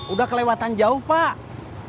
udah kelewatan jauh pak